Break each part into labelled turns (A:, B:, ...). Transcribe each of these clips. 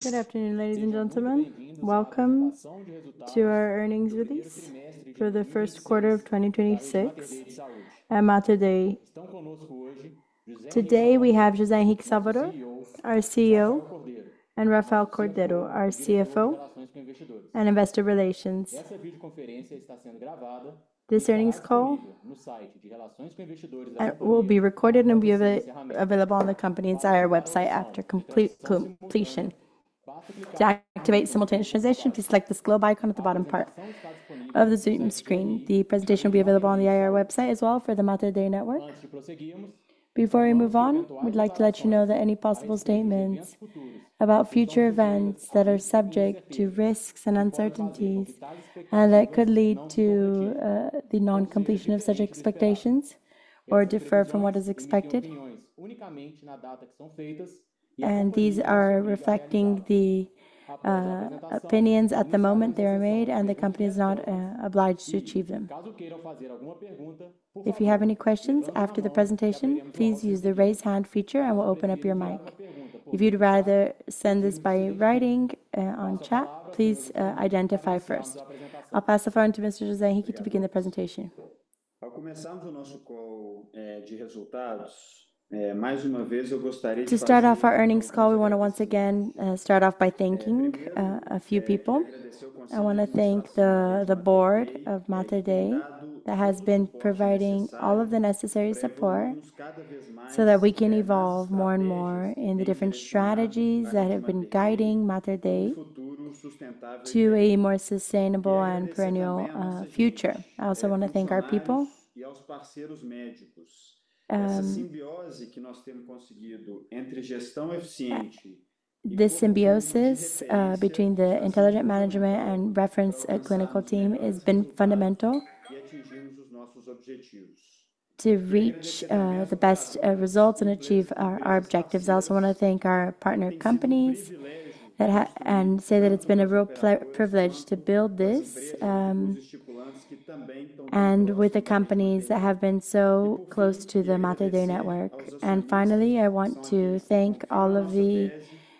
A: Good afternoon, ladies and gentlemen. Welcome to our earnings release for the first quarter of 2026 at Mater Dei. Today, we have José Henrique Salvador, our CEO, and Rafael Cordeiro, our CFO and investor relations. This earnings call will be recorded and be available on the company's IR website after complete completion. To activate simultaneous translation, please select this globe icon at the bottom part of the Zoom screen. The presentation will be available on the IR website as well for the Mater Dei network. Before we move on, we'd like to let you know that any possible statements about future events that are subject to risks and uncertainties that could lead to the non-completion of such expectations or differ from what is expected. These are reflecting the opinions at the moment they are made, and the company is not obliged to achieve them. If you have any questions after the presentation, please use the raise hand feature and we'll open up your mic. If you'd rather send this by writing on chat, please identify first. I'll pass the phone to Mr. José Henrique Salvador to begin the presentation.
B: To start off our earnings call, we wanna once again start off by thanking a few people. I wanna thank the board of Mater Dei that has been providing all of the necessary support so that we can evolve more and more in the different strategies that have been guiding Mater Dei to a more sustainable and perennial future. I also wanna thank our people. The symbiosis between the intelligent management and reference clinical team has been fundamental to reach the best results and achieve our objectives. I also wanna thank our partner companies that and say that it's been a real privilege to build this and with the companies that have been so close to the Mater Dei network. Finally, I want to thank all of the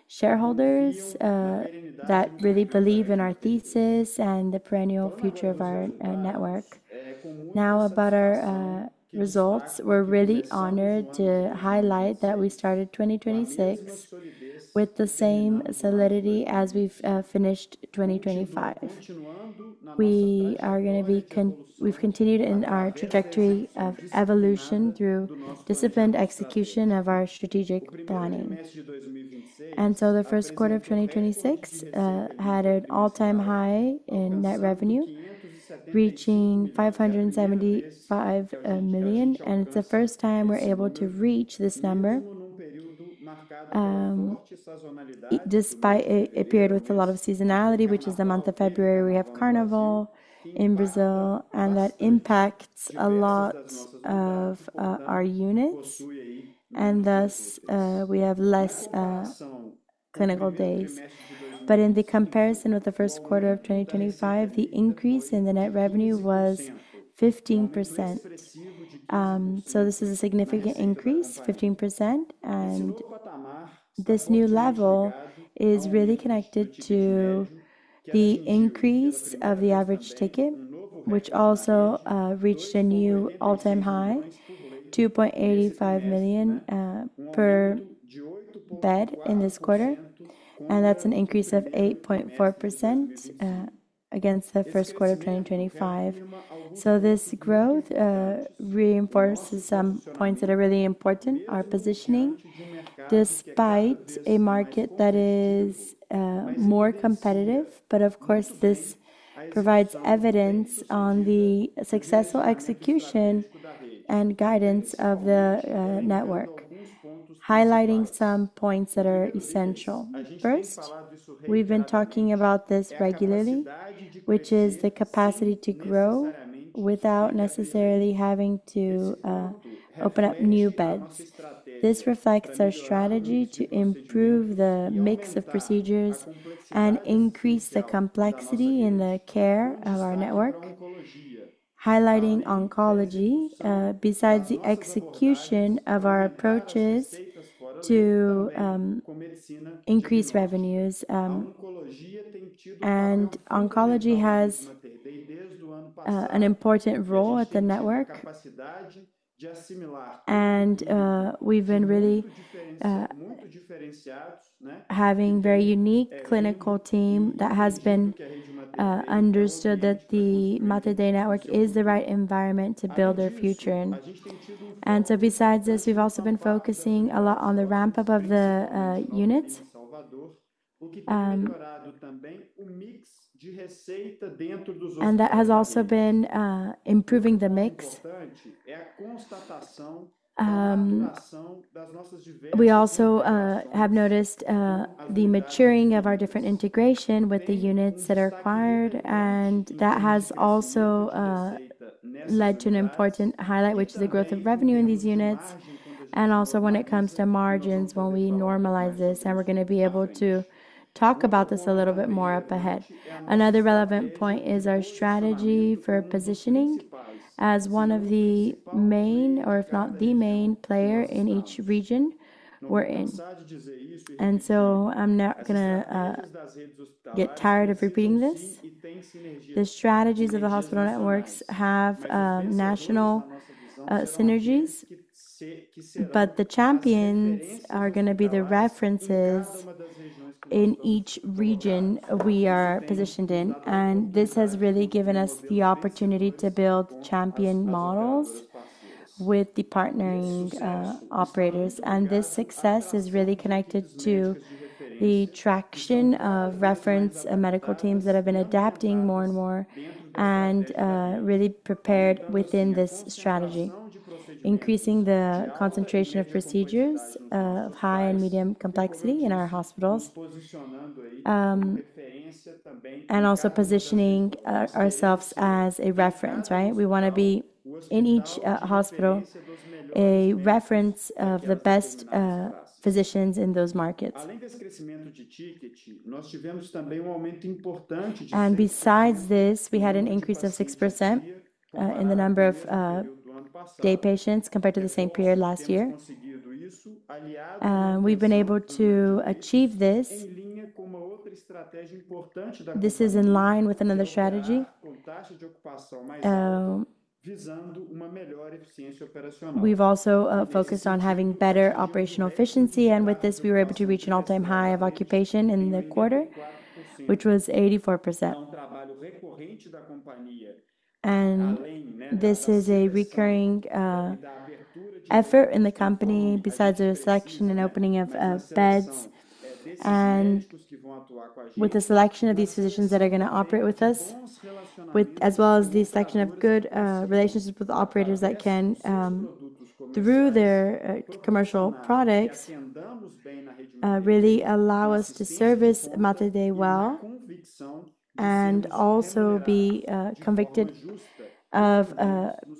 B: shareholders that really believe in our thesis and the perennial future of our network. Now, about our results. We're really honored to highlight that we started 2026 with the same solidity as we've finished 2025. We've continued in our trajectory of evolution through disciplined execution of our strategic planning. The first quarter of 2026 had an all-time high in net revenue, reaching 575 million. It's the first time we're able to reach this number, despite a period with a lot of seasonality, which is the month of February, we have Carnival in Brazil, and that impacts a lot of our units and thus, we have less clinical days. In the comparison with the first quarter of 2025, the increase in the net revenue was 15%. This is a significant increase, 15%. This new level is really connected to the increase of the average ticket, which also reached a new all-time high, 2.85 million per bed in this quarter, and that's an increase of 8.4% against the first quarter of 2025. This growth reinforces some points that are really important, our positioning, despite a market that is more competitive. Of course, this provides evidence on the successful execution and guidance of the Mater Dei network, highlighting some points that are essential. First, we've been talking about this regularly, which is the capacity to grow without necessarily having to open up new beds. This reflects our strategy to improve the mix of procedures and increase the complexity in the care of our network, highlighting oncology, besides the execution of our approaches to increase revenues. Oncology has an important role at the network. We've been really having very unique clinical team that has been understood that the Mater Dei network is the right environment to build their future in. Besides this, we've also been focusing a lot on the ramp-up of the units, and that has also been improving the mix. We also have noticed the maturing of our different integration with the units that are acquired, and that has also led to an important highlight, which is the growth of revenue in these units and also when it comes to margins when we normalize this, and we're going to be able to talk about this a little bit more up ahead. Another relevant point is our strategy for positioning as one of the main, or if not the main player in each region we're in. I'm not gonna get tired of repeating this. The strategies of the hospital networks have national synergies, but the champions are gonna be the references in each region we are positioned in, and this has really given us the opportunity to build champion models with the partnering operators. This success is really connected to the traction of reference and medical teams that have been adapting more and more and really prepared within this strategy. Increasing the concentration of procedures of high and medium complexity in our hospitals, and also positioning ourselves as a reference, right? We wanna be, in each hospital, a reference of the best physicians in those markets. Besides this, we had an increase of 6% in the number of day patients compared to the same period last year. We've been able to achieve this. This is in line with another strategy. We've also focused on having better operational efficiency, and with this we were able to reach an all-time high of occupation in the quarter, which was 84%. This is a recurring effort in the company besides the selection and opening of beds and with the selection of these physicians that are gonna operate with us as well as the selection of good relationships with operators that can, through their commercial products, really allow us to service Mater Dei well and also be convicted of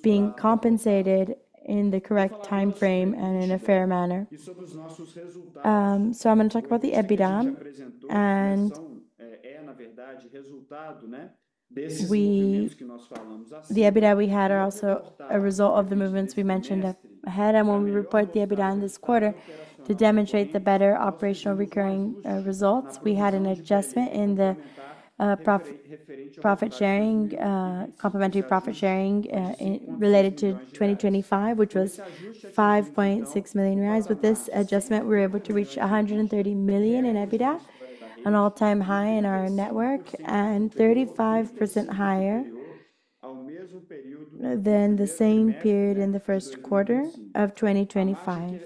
B: being compensated in the correct timeframe and in a fair manner. I am going to talk about the EBITDA, and the EBITDA we had are also a result of the movements we mentioned up ahead. When we report the EBITDA in this quarter to demonstrate the better operational recurring results, we had an adjustment in the profit sharing, complementary profit sharing, related to 2025, which was 5.6 million reais. With this adjustment, we were able to reach 130 million in EBITDA, an all-time high in our network, and 35% higher than the same period in the first quarter of 2025.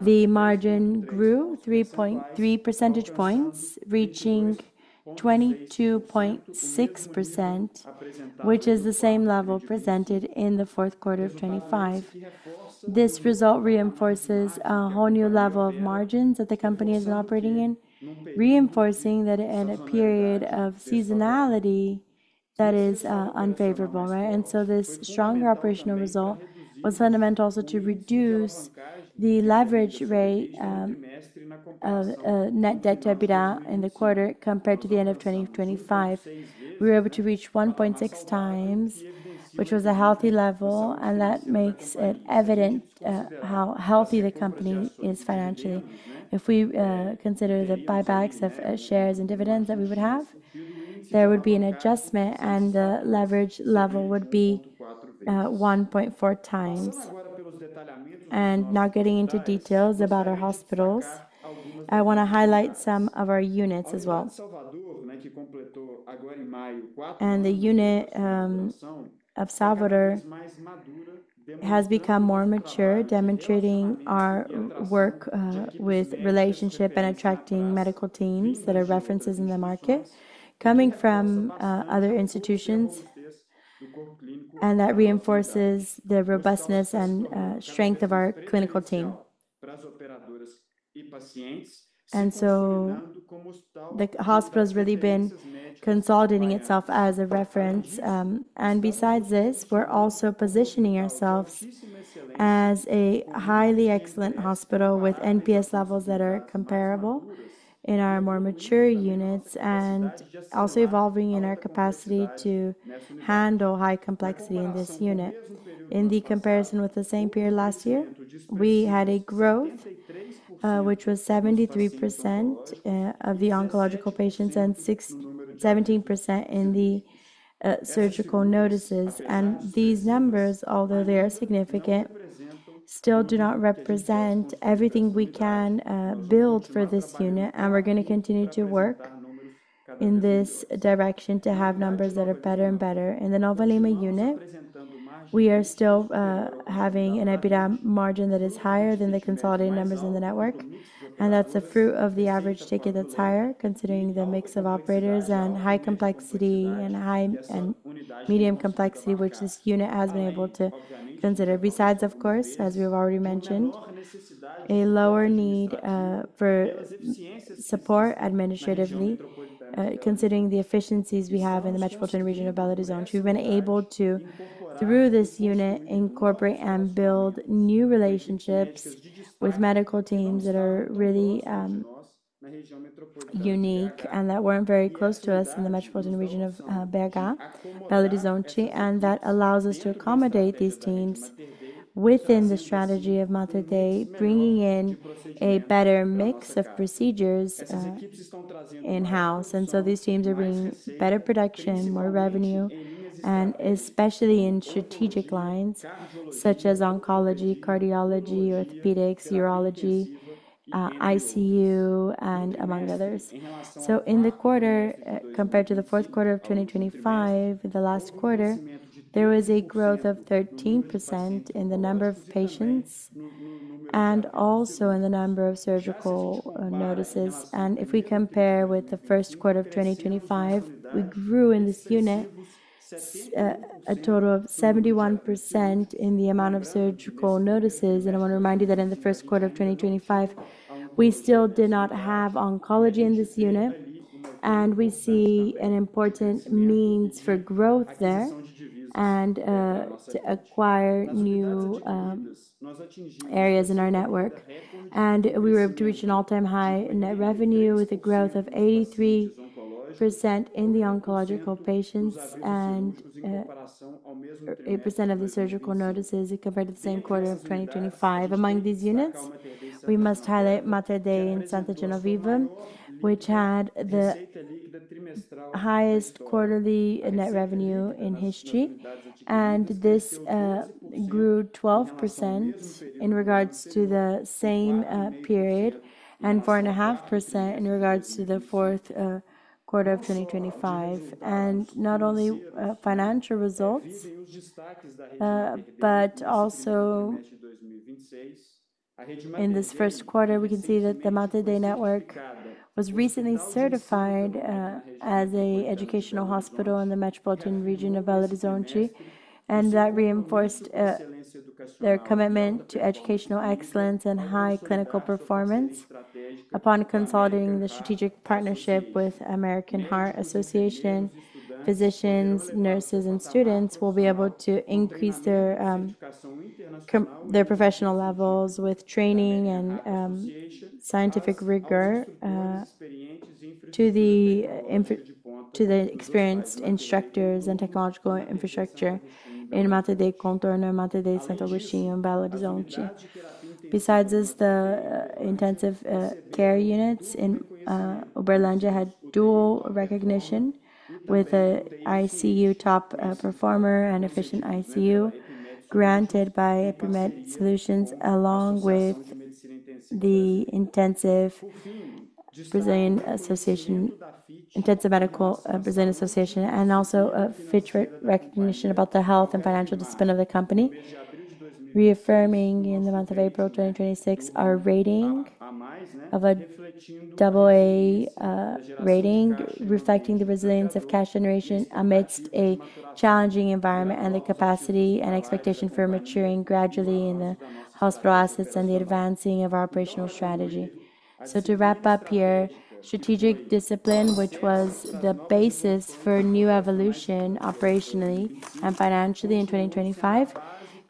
B: The margin grew 3 percentage points, reaching 22.6%, which is the same level presented in the fourth quarter of 2025. This result reinforces a whole new level of margins that the company is operating in, reinforcing that in a period of seasonality that is unfavorable, right? This stronger operational result was fundamental also to reduce the leverage rate of net debt to EBITDA in the quarter compared to the end of 2025. We were able to reach 1.6x, which was a healthy level, and that makes it evident how healthy the company is financially. If we consider the buybacks of shares and dividends that we would have, there would be an adjustment, and the leverage level would be 1.4x. Not getting into details about our hospitals, I wanna highlight some of our units as well. The unit of Salvador has become more mature, demonstrating our work with relationship and attracting medical teams that are references in the market coming from other institutions, and that reinforces the robustness and strength of our clinical team. The hospital's really been consolidating itself as a reference. Besides this, we're also positioning ourselves as a highly excellent hospital with NPS levels that are comparable in our more mature units and also evolving in our capacity to handle high complexity in this unit. In the comparison with the same period last year, we had a growth, which was 73% of the oncological patients and 17% in the surgical notices. These numbers, although they are significant, still do not represent everything we can build for this unit, and we are going to continue to work in this direction to have numbers that are better and better. In the Nova Lima unit, we are still having an EBITDA margin that is higher than the consolidated numbers in the network, and that is the fruit of the average ticket that is higher considering the mix of operators and high complexity and high and medium complexity which this unit has been able to consider. Besides, of course, as we have already mentioned, a lower need for support administratively, considering the efficiencies we have in the metropolitan region of Belo Horizonte. We've been able to, through this unit, incorporate and build new relationships with medical teams that are really unique and that weren't very close to us in the metropolitan region of BH, Belo Horizonte. That allows us to accommodate these teams within the strategy of Mater Dei, bringing in a better mix of procedures in-house. These teams are bringing better production, more revenue, and especially in strategic lines such as oncology, cardiology, orthopedics, urology, ICU, and among others. In the quarter, compared to the fourth quarter of 2025, the last quarter, there was a growth of 13% in the number of patients and also in the number of surgical notices. If we compare with the first quarter of 2025, we grew in this unit a total of 71% in the amount of surgical notices. I want to remind you that in the first quarter of 2025, we still did not have oncology in this unit, and we see an important means for growth there to acquire new areas in our network. We reached an all-time high net revenue with a growth of 83% in the oncological patients and 80% of the surgical notices compared to the same quarter of 2025. Among these units, we must highlight Mater Dei Santa Genoveva, which had the highest quarterly net revenue in history. This grew 12% in regards to the same period and 4.5% in regards to the fourth quarter of 2025. Not only financial results, but also in this first quarter, we can see that the Mater Dei network was recently certified as a educational hospital in the metropolitan region of Belo Horizonte, and that reinforced their commitment to educational excellence and high clinical performance. Upon consolidating the strategic partnership with American Heart Association, physicians, nurses, and students will be able to increase their professional levels with training and scientific rigor to the experienced instructors and technological infrastructure in Mater Dei Contorno and Mater Dei Santo Agostinho in Belo Horizonte. Besides this, the intensive care units in Uberlândia had dual recognition with an ICU Top Performer and Efficient ICU granted by Epimed Solutions along with the Associação de Medicina Intensiva Brasileira and also a Fitch recognition about the health and financial discipline of the company, reaffirming in the month of April 2026 our rating of an AA rating, reflecting the resilience of cash generation amidst a challenging environment and the capacity and expectation for maturing gradually in the hospital assets and the advancing of our operational strategy. To wrap up here, strategic discipline, which was the basis for new evolution operationally and financially in 2025,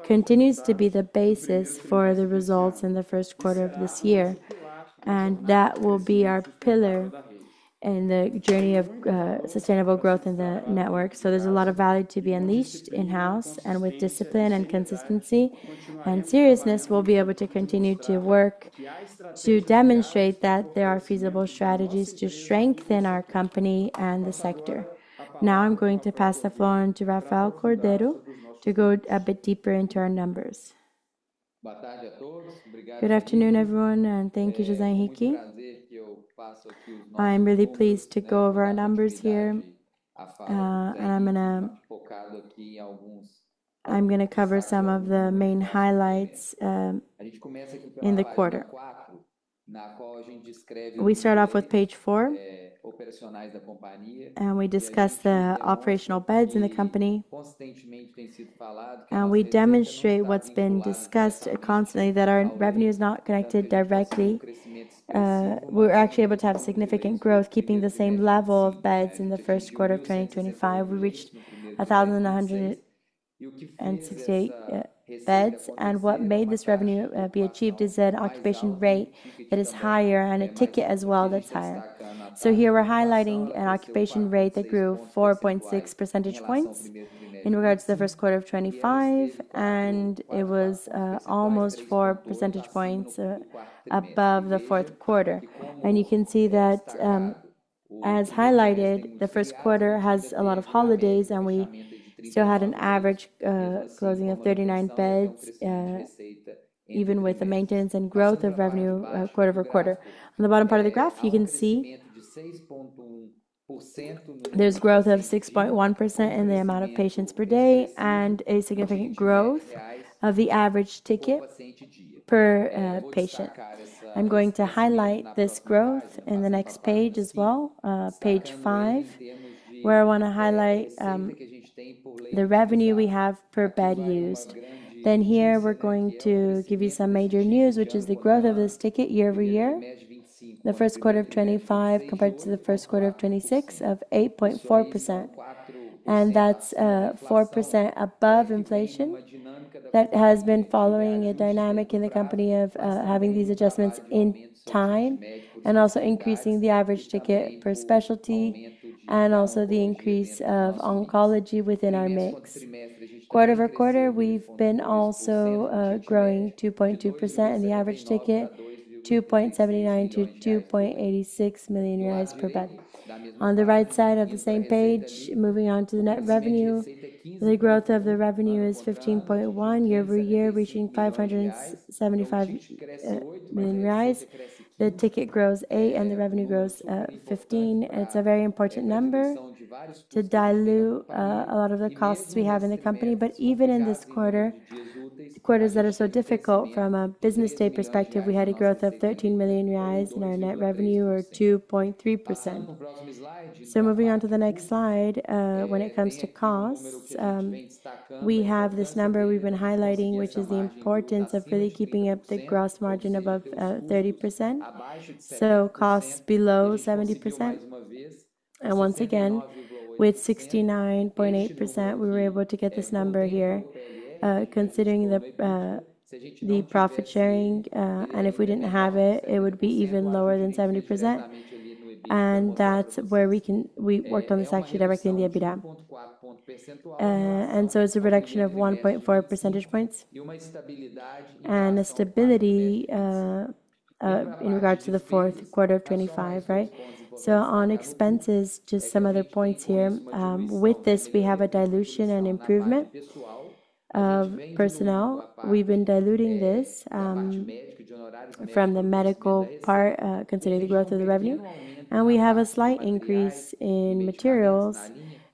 B: continues to be the basis for the results in the first quarter of this year. That will be our pillar in the journey of sustainable growth in the network. There's a lot of value to be unleashed in-house, and with discipline and consistency and seriousness, we'll be able to continue to work to demonstrate that there are feasible strategies to strengthen our company and the sector. Now I'm going to pass the floor on to Rafael Cordeiro to go a bit deeper into our numbers.
C: Good afternoon, everyone, and thank you, José Henrique. I'm really pleased to go over our numbers here. I'm gonna cover some of the main highlights in the quarter. We start off with page four, and we discuss the operational beds in the company. We demonstrate what's been discussed constantly, that our revenue is not connected directly. We're actually able to have significant growth, keeping the same level of beds in the first quarter of 2025. We reached 1,168 beds. What made this revenue be achieved is an occupation rate that is higher and a ticket as well that's higher. Here we're highlighting an occupation rate that grew 4.6 percentage points in regards to the first quarter of 2025, and it was almost 4 percentage points above the fourth quarter. You can see that, as highlighted, the first quarter has a lot of holidays, and we still had an average closing of 39 beds, even with the maintenance and growth of revenue quarter-over-quarter. On the bottom part of the graph, you can see there's growth of 6.1% in the amount of patients per day and a significant growth of the average ticket per patient. I am going to highlight this growth in the next page as well, page five, where I want to highlight the revenue we have per bed used. Here we are going to give you some major news, which is the growth of this ticket year-over-year. The first quarter of 2025 compared to the first quarter of 2026 of 8.4%, and that is 4% above inflation. That has been following a dynamic in the company of having these adjustments in time and also increasing the average ticket per specialty and also the increase of oncology within our mix. Quarter-over-quarter, we have been also growing 2.2% in the average ticket, 2.79 million-2.86 million reais per bed. On the right side of the same page, moving on to the net revenue, the growth of the revenue is 15.1 year-over-year, reaching 575 million reais. The ticket grows eight and the revenue grows 15. It's a very important number to dilute a lot of the costs we have in the company. Even in this quarter, quarters that are so difficult from a business day perspective, we had a growth of 13 million reais in our net revenue or 2.3%. Moving on to the next slide, when it comes to costs, we have this number we've been highlighting, which is the importance of really keeping up the gross margin above 30%, so costs below 70%. Once again, with 69.8%, we were able to get this number here, considering the profit sharing. If we didn't have it would be even lower than 70%. That's where we worked on this actually directly in the EBITDA. It's a reduction of 1.4 percentage points and a stability in regards to the fourth quarter of 2025, right? On expenses, just some other points here. With this, we have a dilution and improvement of personnel. We've been diluting this from the medical part, considering the growth of the revenue. We have a slight increase in materials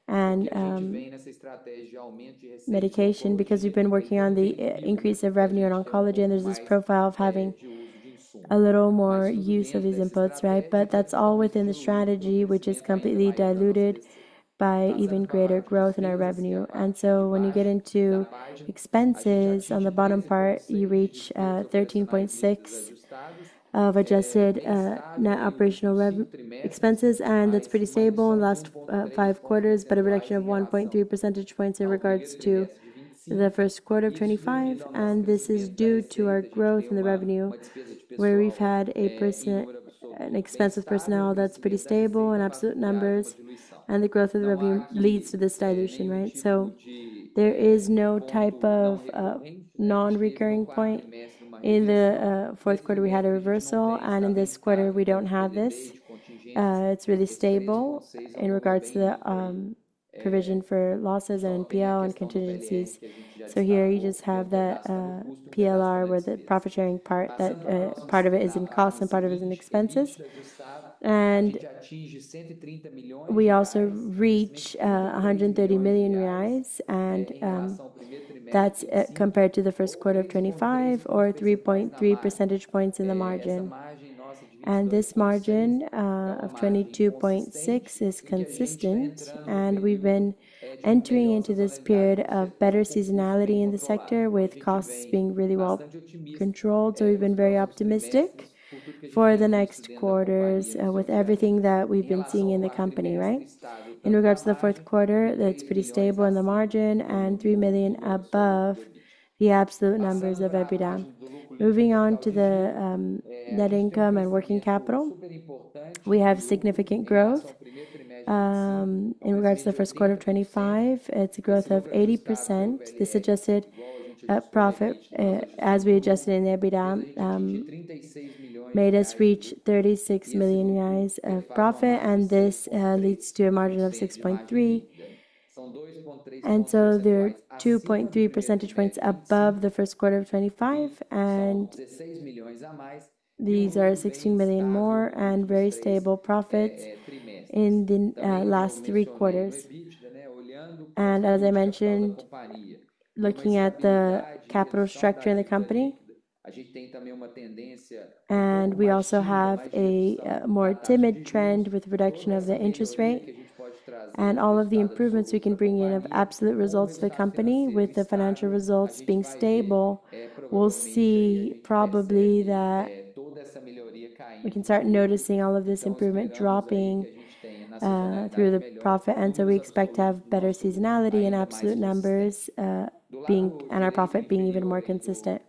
C: and medication because we've been working on the increase of revenue in oncology, and there's this profile of having a little more use of these inputs, right? That's all within the strategy, which is completely diluted by even greater growth in our revenue. When you get into expenses on the bottom part, you reach 13.6 of adjusted net operational expenses, and that's pretty stable in the last five quarters, but a reduction of 1.3 percentage points in regards to the first quarter of 2025. This is due to our growth in the revenue, where we've had an expensive personnel that's pretty stable in absolute numbers, and the growth of the revenue leads to this dilution, right? There is no type of non-recurring point. In the fourth quarter, we had a reversal, and in this quarter, we don't have this. It's really stable in regards to the provision for losses and P&L and contingencies. Here you just have the PLR or the profit-sharing part that part of it is in costs and part of it is in expenses. We also reach 130 million reais and that's compared to the first quarter of 2025 or 3.3 percentage points in the margin. This margin of 22.6% is consistent, and we've been entering into this period of better seasonality in the sector with costs being really well controlled. We've been very optimistic for the next quarters with everything that we've been seeing in the company. In regards to the fourth quarter, that's pretty stable in the margin and 3 million above the absolute numbers of EBITDA. Moving on to the net income and working capital, we have significant growth. In regards to the first quarter of 2025, it's a growth of 80%. This adjusted profit, as we adjusted in the EBITDA, made us reach 36 million reais of profit, and this leads to a margin of 6.3. They're 2.3 percentage points above the first quarter of 2025, and these are 16 million more and very stable profit in the last three quarters. As I mentioned, looking at the capital structure in the company, we also have a more timid trend with reduction of the interest rate. All of the improvements we can bring in of absolute results to the company with the financial results being stable, we'll see probably that we can start noticing all of this improvement dropping through the profit. We expect to have better seasonality in absolute numbers, and our profit being even more consistent.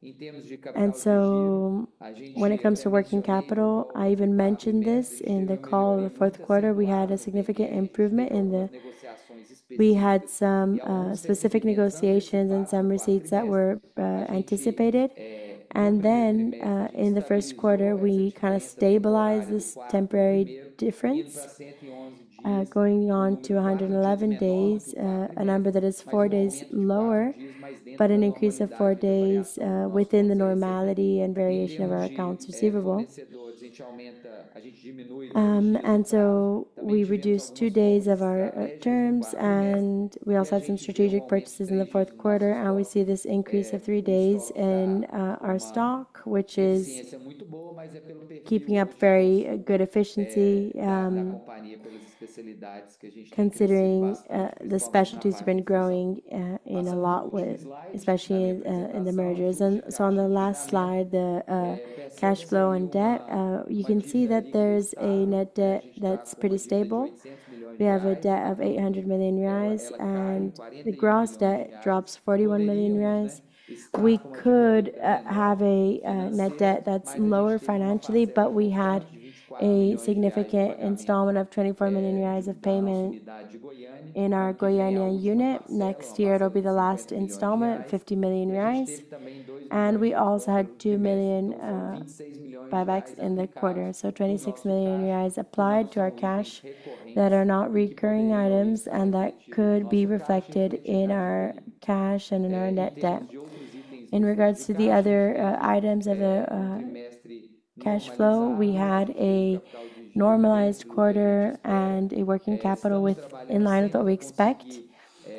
C: When it comes to working capital, I even mentioned this in the call. In the fourth quarter, we had a significant improvement. We had some specific negotiations and some receipts that were anticipated. In the first quarter, we kind of stabilized this temporary difference, going on to 111 days, a number that is four days lower, but an increase of four days, within the normality and variation of our accounts receivable. We reduced two days of our terms. We also had some strategic purchases in the Q4, and we see this increase of three days in our stock, which is keeping up very good efficiency. Considering the specialties have been growing in a lot with especially in the mergers. On the last slide, the cash flow and debt, you can see that there's a net debt that's pretty stable. We have a debt of 800 million reais, and the gross debt drops 41 million reais. We could have a net debt that's lower financially, but we had a significant installment of 24 million reais of payment in our Goiânia unit. Next year, it'll be the last installment, 50 million reais. We also had 2 million buybacks in the quarter. 26 million reais applied to our cash that are not recurring items and that could be reflected in our cash and in our net debt. In regards to the other items of the cash flow, we had a normalized quarter and a working capital in line with what we expect.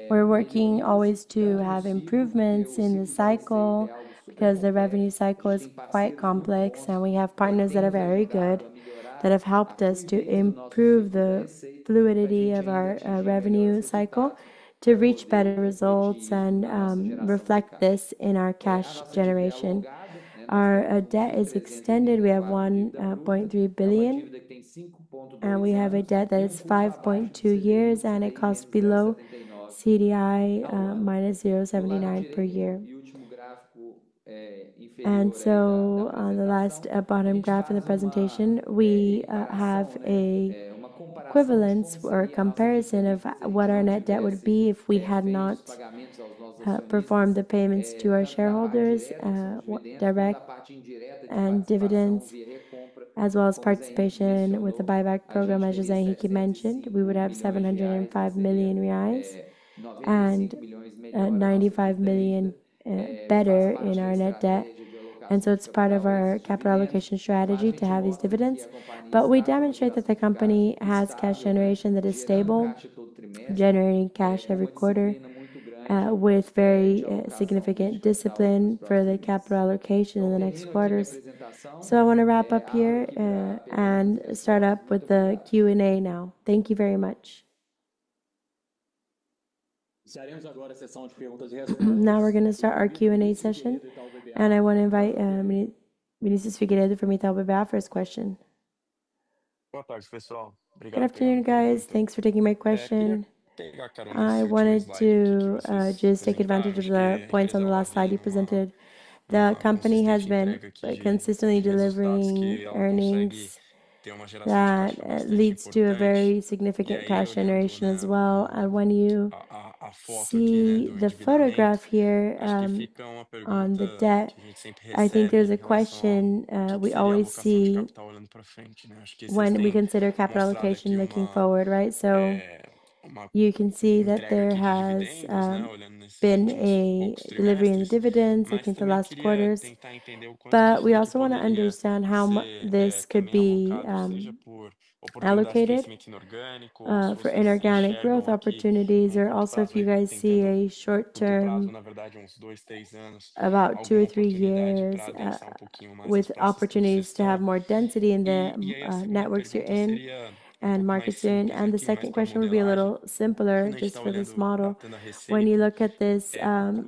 C: We're working always to have improvements in the cycle because the revenue cycle is quite complex, and we have partners that are very good that have helped us to improve the fluidity of our revenue cycle to reach better results and reflect this in our cash generation. Our debt is extended. We have 1.3 billion, and we have a debt that is 5.2 years, and it costs below CDI -0.79 per year. On the last bottom graph in the presentation, we have an equivalence or comparison of what our net debt would be if we had not performed the payments to our shareholders, direct and dividends, as well as participation with the buyback program, as José Henrique mentioned. We would have 705 million reais and 95 million better in our net debt. It's part of our capital allocation strategy to have these dividends. We demonstrate that the company has cash generation that is stable, generating cash every quarter, with very significant discipline for the capital allocation in the next quarters. I wanna wrap up here and start up with the Q&A now. Thank you very much.
A: Now we're gonna start our Q&A session, and I wanna invite Vinícius Figueiredo from Itaú BBA for his question.
D: Good afternoon, guys. Thanks for taking my question. I wanted to just take advantage of the points on the last slide you presented. The company has been consistently delivering earnings that leads to a very significant cash generation as well. When you see the photograph here on the debt, I think there's a question we always see when we consider capital allocation looking forward, right? You can see that there has been a delivery in dividends looking to the last quarters. We also wanna understand how this could be allocated for inorganic growth opportunities. Also if you guys see a short-term, about two or three years, with opportunities to have more density in the networks you're in and markets you're in. The second question would be a little simpler just for this model. When you look at this, how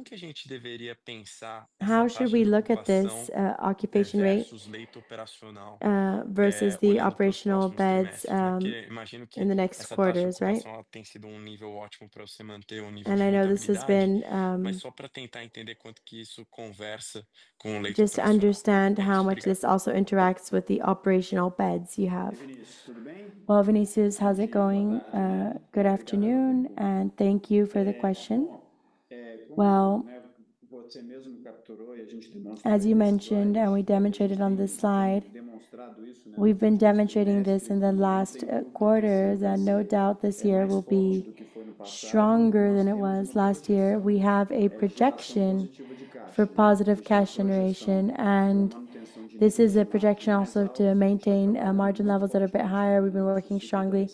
D: should we look at this occupation rate versus the operational beds in the next quarters, right? Just to understand how much this also interacts with the operational beds you have.
B: Well, Vinícius, how's it going? Good afternoon, thank you for the question. Well, as you mentioned, and we demonstrated on the slide, we've been demonstrating this in the last quarters, and no doubt this year will be stronger than it was last year. We have a projection for positive cash generation, and this is a projection also to maintain margin levels that are a bit higher. We've been working strongly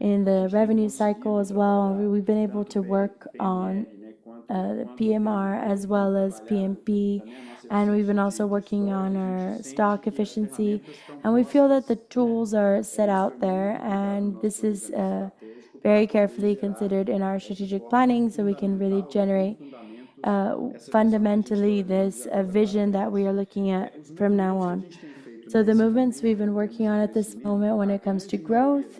B: in the revenue cycle as well. We've been able to work on PMR as well as PMP, and we've been also working on our stock efficiency. We feel that the tools are set out there, and this is very carefully considered in our strategic planning, so we can really generate fundamentally this vision that we are looking at from now on. The movements we've been working on at this moment when it comes to growth,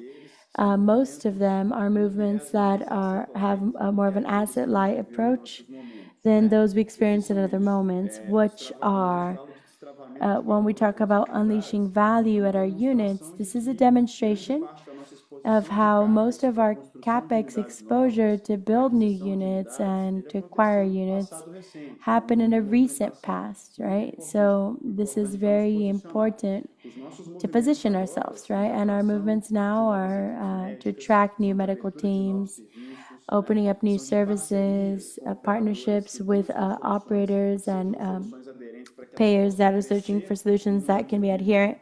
B: most of them are movements that have more of an asset-light approach than those we experienced in other moments, which are when we talk about unleashing value at our units. This is a demonstration of how most of our CapEx exposure to build new units and to acquire units happened in the recent past, right? This is very important to position ourselves, right? Our movements now are to attract new medical teams, opening up new services, partnerships with operators and payers that are searching for solutions that can be adherent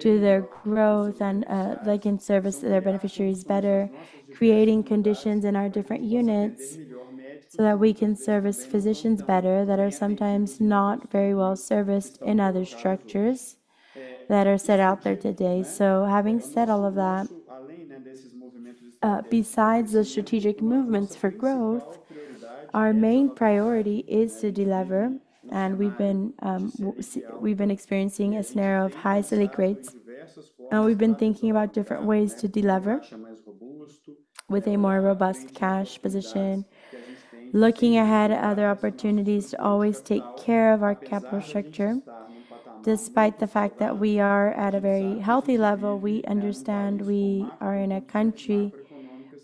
B: to their growth and they can service their beneficiaries better, creating conditions in our different units so that we can service physicians better that are sometimes not very well serviced in other structures that are set out there today. Having said all of that, besides the strategic movements for growth, our main priority is to delever. We've been experiencing a scenario of high Selic rates, and we've been thinking about different ways to delever with a more robust cash position. Looking ahead at other opportunities to always take care of our capital structure despite the fact that we are at a very healthy level. We understand we are in a country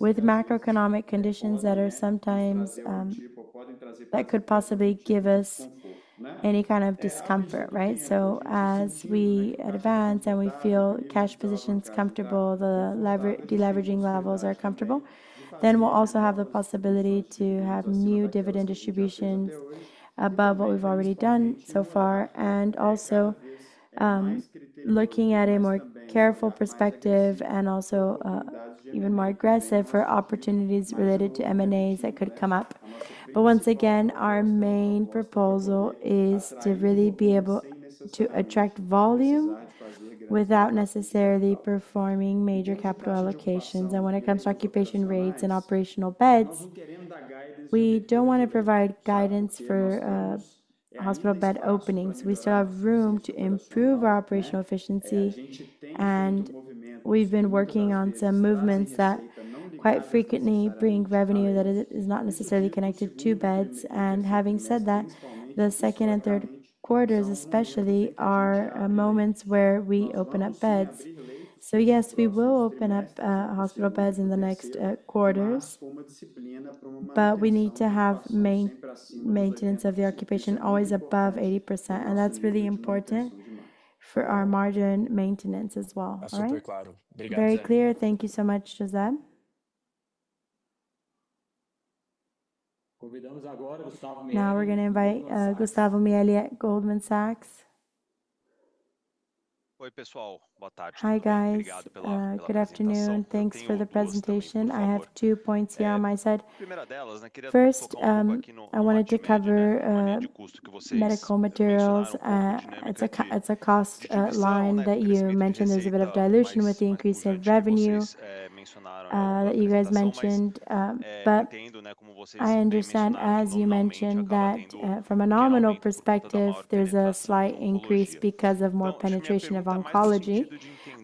B: with macroeconomic conditions that are sometimes that could possibly give us any kind of discomfort, right? As we advance and we feel cash position's comfortable, deleveraging levels are comfortable, then we'll also have the possibility to have new dividend distributions above what we've already done so far. Also, looking at a more careful perspective and also even more aggressive for opportunities related to M&As that could come up. Once again, our main proposal is to really be able to attract volume without necessarily performing major capital allocations. When it comes to occupation rates and operational beds, we don't wanna provide guidance for hospital bed openings. We still have room to improve our operational efficiency, and we've been working on some movements that quite frequently bring revenue that is not necessarily connected to beds. Having said that, the second and third quarters especially are moments where we open up beds. Yes, we will open up hospital beds in the next quarters, but we need to have maintenance of the occupation always above 80%. That's really important for our margin maintenance as well. All right?
D: Very clear. Thank you so much, José.
A: Now, we're gonna invite Gustavo Miele at Goldman Sachs.
E: Hi, guys. Good afternoon. Thanks for the presentation. I have two points here on my side. First, I wanted to cover medical materials. It's a cost line that you mentioned there's a bit of dilution with the increase in revenue that you guys mentioned. I understand, as you mentioned, that from a nominal perspective, there's a slight increase because of more penetration of oncology.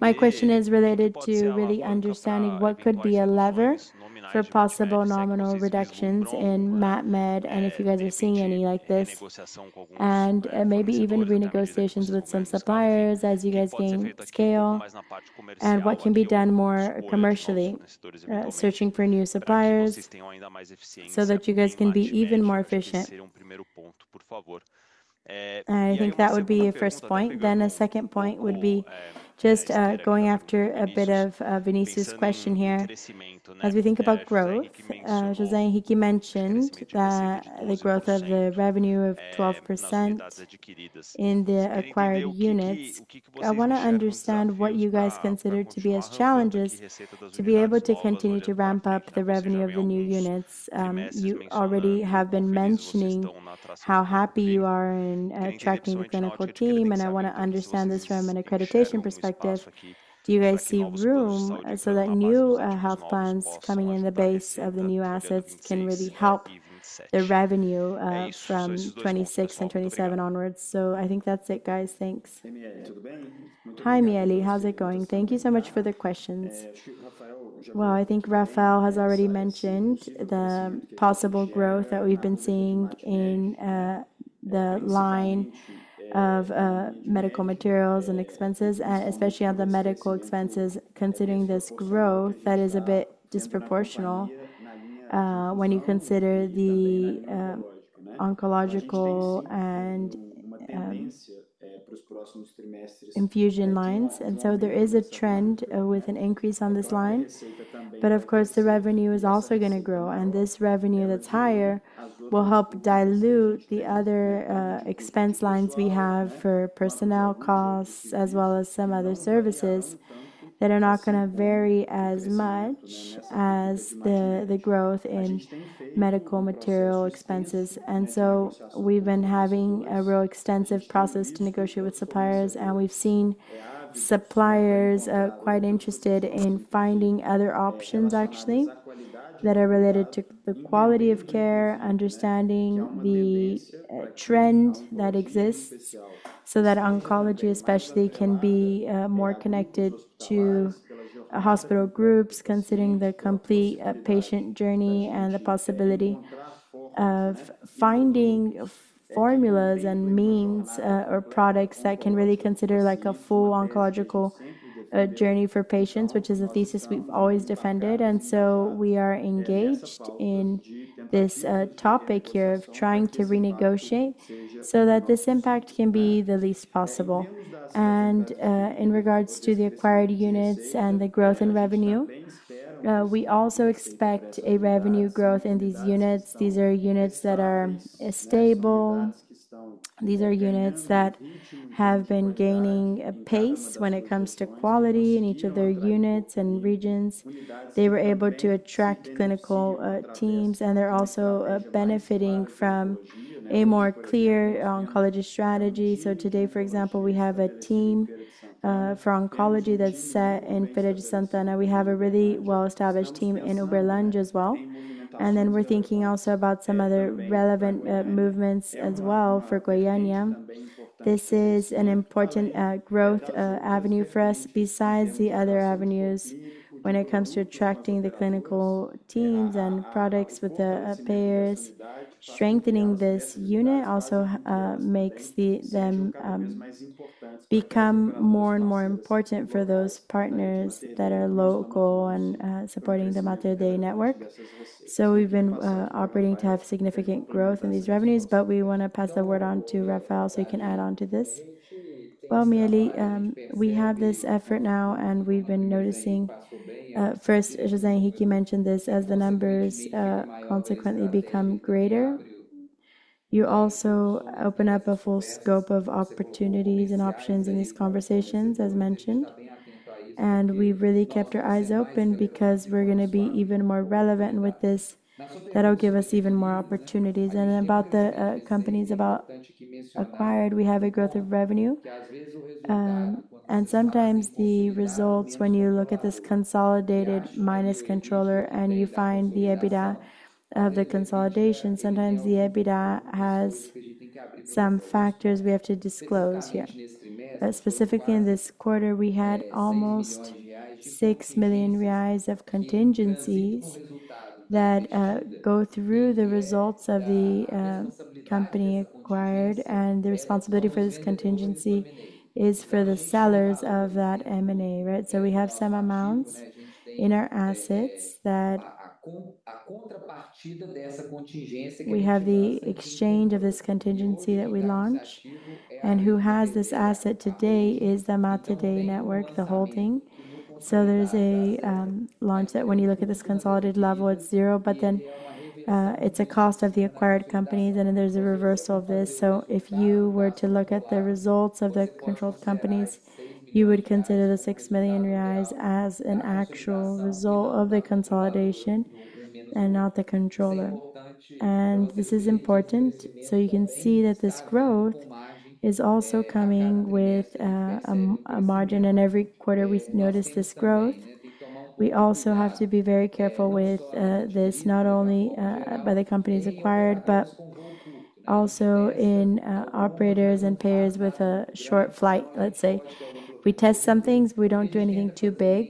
E: My question is related to really understanding what could be a lever for possible nominal reductions in MatMed, and if you guys are seeing any like this. Maybe even renegotiations with some suppliers as you guys gain scale, and what can be done more commercially, searching for new suppliers so that you guys can be even more efficient. I think that would be a first point. A second point would be just going after a bit of Vinícius' question here. As we think about growth, José Henrique mentioned the growth of the revenue of 12% in the acquired units. I wanna understand what you guys consider to be as challenges to be able to continue to ramp up the revenue of the new units. You already have been mentioning how happy you are in attracting the clinical team, and I wanna understand this from an accreditation perspective. Do you guys see room so that new health plans coming in the base of the new assets can really help the revenue from 2026 and 2027 onwards? I think that's it, guys. Thanks.
B: Hi, Miele. How's it going? Thank you so much for the questions. Well, I think Rafael has already mentioned the possible growth that we've been seeing in the line of medical materials and expenses, especially on the medical expenses considering this growth that is a bit disproportional, when you consider the oncological and infusion lines. There is a trend with an increase on this line, but of course, the revenue is also going to grow. This revenue that's higher will help dilute the other expense lines we have for personnel costs as well as some other services that are not going to vary as much as the growth in medical material expenses. We've been having a real extensive process to negotiate with suppliers, and we've seen suppliers, quite interested in finding other options actually, that are related to the quality of care, understanding the trend that exists so that oncology especially can be more connected to hospital groups considering the complete patient journey and the possibility of finding formulas and means, or products that can really consider like a full oncological journey for patients, which is a thesis we've always defended. We are engaged in this topic here of trying to renegotiate so that this impact can be the least possible. In regards to the acquired units and the growth in revenue, we also expect a revenue growth in these units. These are units that are stable. These are units that have been gaining pace when it comes to quality in each of their units and regions. They were able to attract clinical teams, and they're also benefiting from a more clear oncology strategy. Today, for example, we have a team for oncology that's set in Feira de Santana. We have a really well-established team in Uberlândia as well. We're thinking also about some other relevant movements as well for Goiânia. This is an important growth avenue for us besides the other avenues when it comes to attracting the clinical teams and products with the payers. Strengthening this unit also makes them become more and more important for those partners that are local and supporting the Mater Dei network. We've been operating to have significant growth in these revenues, but we wanna pass the word on to Rafael so he can add on to this.
C: Miele, we have this effort now, and we've been noticing, first José Henrique mentioned this. As the numbers consequently become greater, you also open up a full scope of opportunities and options in these conversations, as mentioned. We've really kept our eyes open because we're gonna be even more relevant with this. That'll give us even more opportunities. About the companies about acquired, we have a growth of revenue. Sometimes the results when you look at this consolidated minus controller and you find the EBITDA of the consolidation, sometimes the EBITDA has some factors we have to disclose here. Specifically in this quarter, we had almost 6 million reais of contingencies that go through the results of the company acquired. The responsibility for this contingency is for the sellers of that M&A, right? We have some amounts in our assets that we have the exchange of this contingency that we launch. Who has this asset today is the Mater Dei network, the whole thing. There's a launch that when you look at this consolidated level, it's zero. Then it's a cost of the acquired companies. Then there's a reversal of this. If you were to look at the results of the controlled companies, you would consider the 6 million reais as an actual result of the consolidation and not the controller. This is important. You can see that this growth is also coming with a margin, and every quarter we notice this growth. We also have to be very careful with this not only by the companies acquired, but also in operators and payers with a short flight, let's say. We test some things. We don't do anything too big.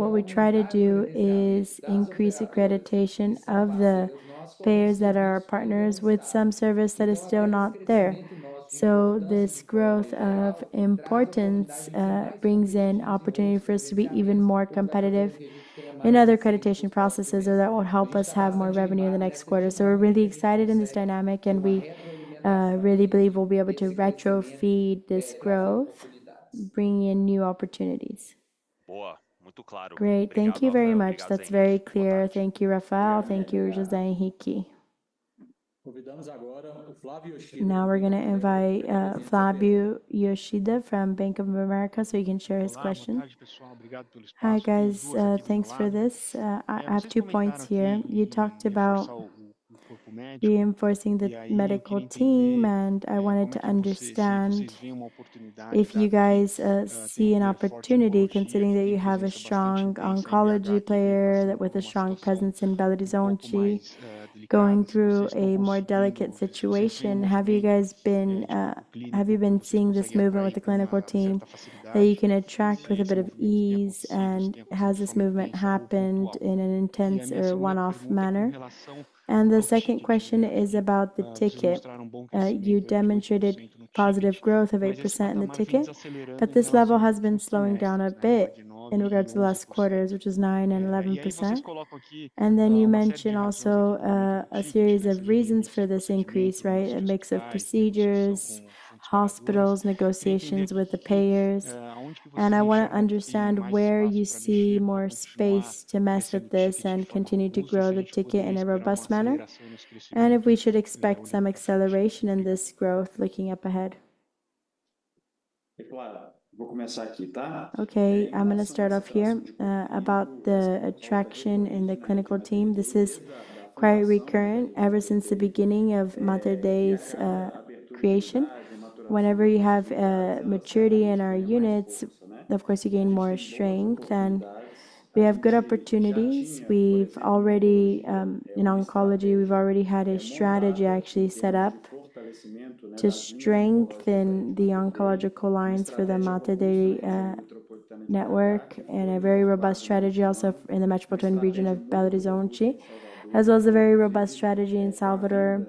C: What we try to do is increase accreditation of the payers that are our partners with some service that is still not there. This growth of importance brings in opportunity for us to be even more competitive in other accreditation processes. That will help us have more revenue in the next quarter. We're really excited in this dynamic, and we really believe we'll be able to retrofeed this growth, bringing in new opportunities.
E: Great. Thank you very much. That's very clear. Thank you, Rafael. Thank you, José Henrique.
A: Now we're gonna invite Flavio Yoshida from Bank of America, so he can share his question.
F: Hi, guys. Thanks for this. I have two points here. You talked about reinforcing the medical team, and I wanted to understand if you guys see an opportunity considering that you have a strong oncology player with a strong presence in Belo Horizonte going through a more delicate situation. Have you been seeing this movement with the clinical team that you can attract with a bit of ease, and has this movement happened in an intense or one-off manner? The second question is about the ticket. You demonstrated positive growth of 8% in the ticket, but this level has been slowing down a bit in regards to last quarters, which was 9% and 11%. You mentioned also, a series of reasons for this increase, right? A mix of procedures, hospitals, negotiations with the payers. I wanna understand where you see more space to mess with this and continue to grow the ticket in a robust manner and if we should expect some acceleration in this growth looking up ahead.
B: Okay. I'm gonna start off here. About the attraction in the clinical team, this is quite recurrent ever since the beginning of Mater Dei's creation. Whenever you have maturity in our units, of course, you gain more strength, and we have good opportunities. We've already, in oncology, we've already had a strategy actually set up to strengthen the oncological lines for the Mater Dei network and a very robust strategy also in the metropolitan region of Belo Horizonte, as well as a very robust strategy in Salvador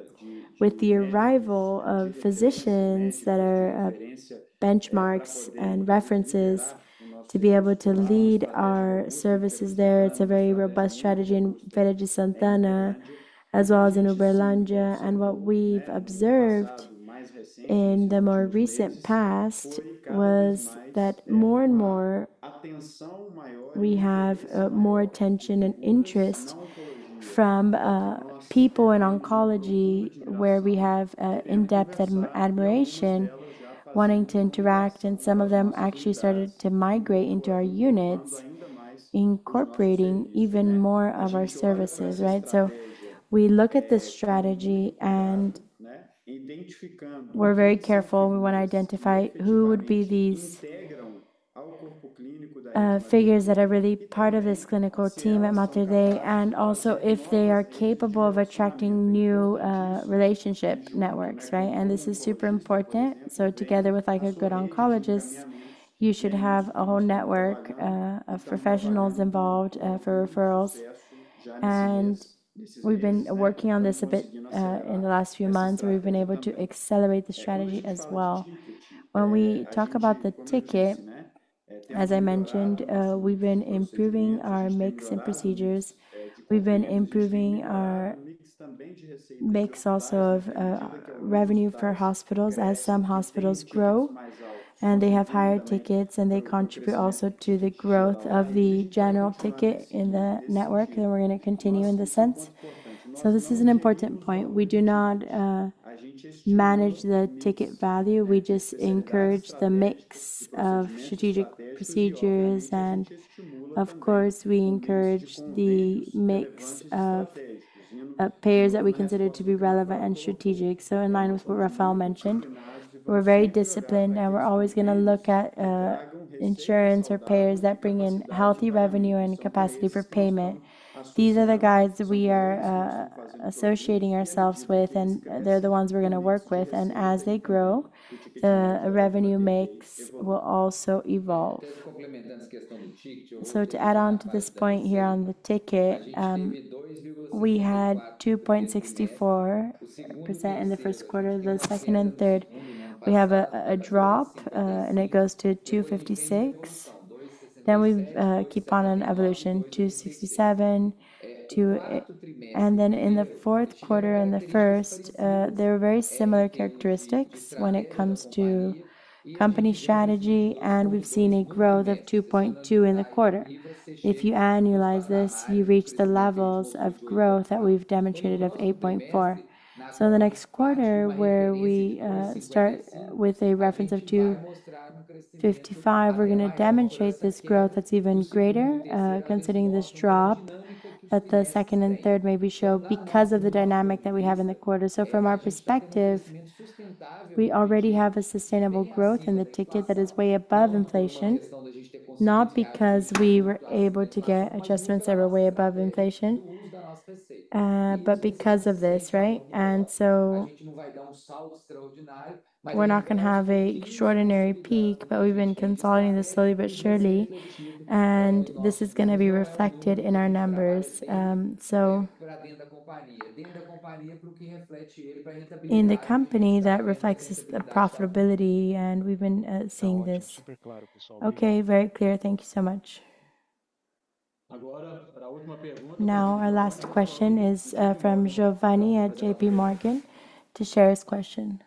B: with the arrival of physicians that are benchmarks and references to be able to lead our services there. It's a very robust strategy in Feira de Santana as well as in Uberlândia. What we've observed in the more recent past was that more and more, we have more attention and interest from people in oncology where we have in-depth admiration wanting to interact, and some of them actually started to migrate into our units, incorporating even more of our services. We look at the strategy and we're very careful. We wanna identify who would be these figures that are really part of this clinical team at Mater Dei, and also if they are capable of attracting new relationship networks, right? This is super important. Together with, like, a good oncologist, you should have a whole network of professionals involved for referrals. We've been working on this a bit in the last few months. We've been able to accelerate the strategy as well. When we talk about the ticket, as I mentioned, we've been improving our mix and procedures. We've been improving our mix also of revenue for hospitals as some hospitals grow, and they have higher tickets, and they contribute also to the growth of the general ticket in the network. We're gonna continue in this sense. This is an important point. We do not manage the ticket value. We just encourage the mix of strategic procedures and, of course, we encourage the mix of payers that we consider to be relevant and strategic. In line with what Rafael mentioned, we're very disciplined, and we're always gonna look at insurance or payers that bring in healthy revenue and capacity for payment. These are the guides we are associating ourselves with, and they're the ones we're gonna work with. As they grow, the revenue mix will also evolve.
C: To add on to this point here on the ticket, we had 2.64% in the first quarter. The second and third, we have a drop, and it goes to 2.56%. We've keep on an evolution to 67 to then in the fourth quarter and the first, there are very similar characteristics when it comes to company strategy, and we've seen a growth of 2.2% in the quarter. If you annualize this, you reach the levels of growth that we've demonstrated of 8.4%. The next quarter where we start with a reference of 255, we're gonna demonstrate this growth that's even greater, considering this drop that the second and third maybe show because of the dynamic that we have in the quarter. From our perspective, we already have a sustainable growth in the ticket that is way above inflation, not because we were able to get adjustments that were way above inflation, but because of this, right? We're not gonna have a extraordinary peak, but we've been consolidating this slowly but surely, and this is gonna be reflected in our numbers. In the company that reflects the profitability, and we've been seeing this.
F: Okay. Very clear. Thank you so much.
A: Our last question is from Joseph Giordano at JPMorgan. To share his question.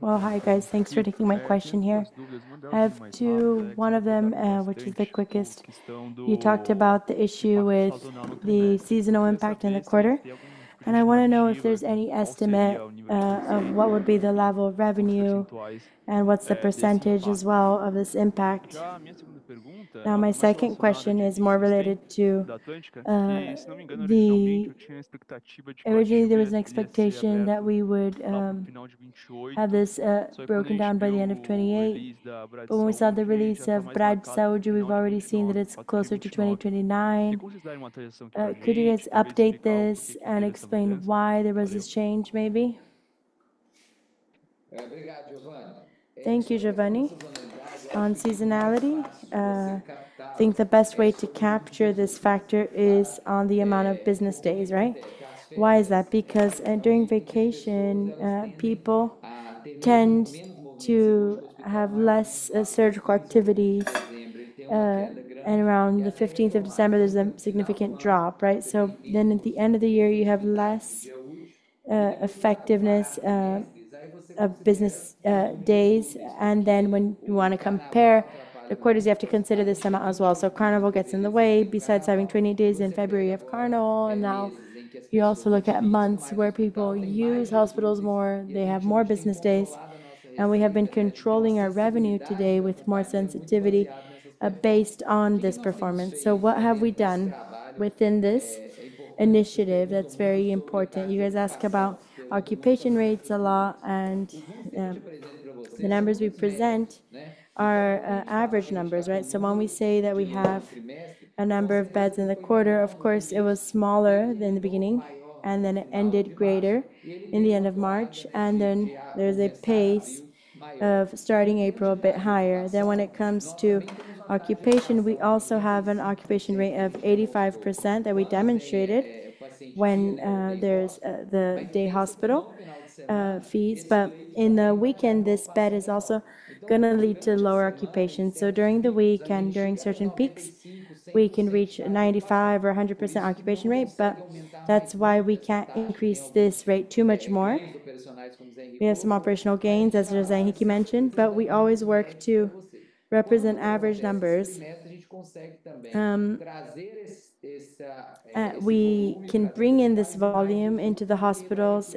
G: Well, hi, guys. Thanks for taking my question here. I have two, one of them, which is the quickest. You talked about the issue with the seasonal impact in the quarter, and I wanna know if there's any estimate of what would be the level of revenue and what's the percentage as well of this impact. My second question is more related to the Originally, there was an expectation that we would have this broken down by the end of 2028. When we saw the release of Bradsaúde, we've already seen that it's closer to 2029. Could you guys update this and explain why there was this change maybe?
C: Thank you, Joseph Giordano. On seasonality, I think the best way to capture this factor is on the amount of business days, right? Why is that? Because, during vacation, people tend to have less surgical activity. Around December 15th, there's a significant drop, right? At the end of the year, you have less effectiveness of business days. When you wanna compare the quarters, you have to consider this summer as well. Carnival gets in the way. Besides having 20 days in February of Carnival, now you also look at months where people use hospitals more. They have more business days. We have been controlling our revenue today with more sensitivity, based on this performance. What have we done within this initiative that's very important? You guys ask about occupation rates a lot, and the numbers we present are average numbers, right? When we say that we have a number of beds in the quarter, of course it was smaller than the beginning, and then it ended greater in the end of March. There's a pace of starting April a bit higher. When it comes to occupation, we also have an occupation rate of 85% that we demonstrated when there's the day hospital fees. In the weekend, this bed is also gonna lead to lower occupation. During the week and during certain peaks, we can reach 95% or 100% occupation rate, but that's why we can't increase this rate too much more. We have some operational gains, as José Henrique mentioned, but we always work to represent average numbers. We can bring in this volume into the hospitals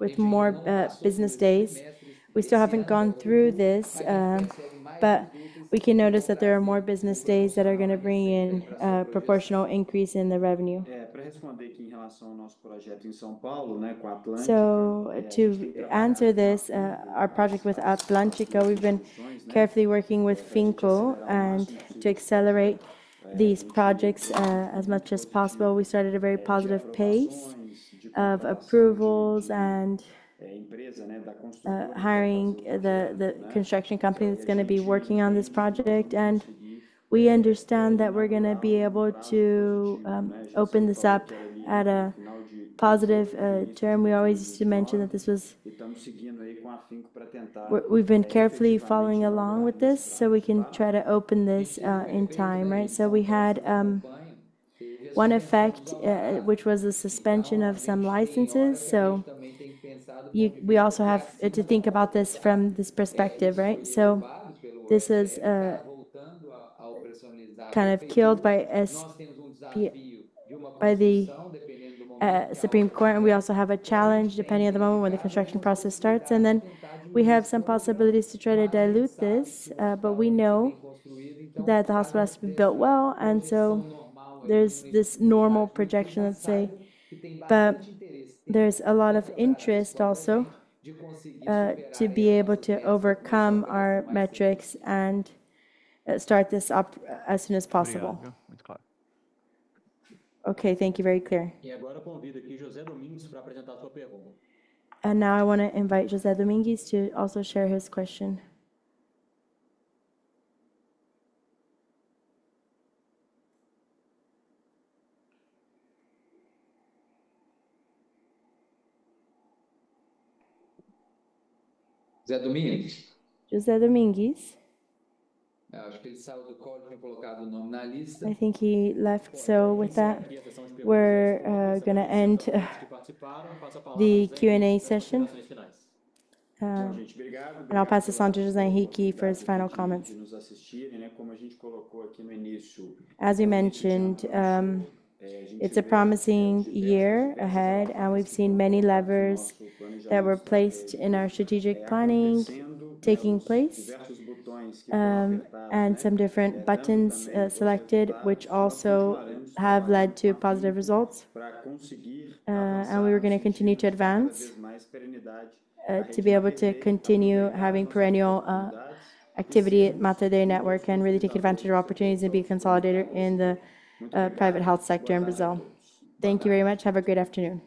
C: with more business days. We still haven't gone through this, but we can notice that there are more business days that are gonna bring in a proportional increase in the revenue. To answer this, our project with Atlantica, we've been carefully working with [Finko] and to accelerate these projects as much as possible. We started a very positive pace of approvals and hiring the construction company that's gonna be working on this project, and we understand that we're gonna be able to open this up at a positive term. We always used to mention that we've been carefully following along with this so we can try to open this in time, right? We had one effect which was the suspension of some licenses, so we also have to think about this from this perspective, right? This is kind of killed by the Supreme Court, and we also have a challenge depending on the moment when the construction process starts. We have some possibilities to try to dilute this, but we know that the hospital has to be built well. There's this normal projection, let's say, but there's a lot of interest also to be able to overcome our metrics and start this up as soon as possible. Very well. Yeah.
G: It's clear. Okay. Thank you. Very clear.
A: Now I want to invite José Domingues to also share his question. José Domingues? José Domingues? I think he left. With that, we're going to end the Q&A session. I'll pass to José Henrique Salvador for his final comments.
B: As we mentioned, it's a promising year ahead, and we've seen many levers that were placed in our strategic planning taking place, and some different buttons selected, which also have led to positive results. We are gonna continue to advance, to be able to continue having perennial activity at Mater Dei network and really take advantage of opportunities and be consolidated in the private health sector in Brazil. Thank you very much. Have a great afternoon.